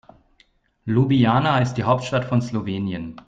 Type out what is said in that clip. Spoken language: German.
Ljubljana ist die Hauptstadt von Slowenien.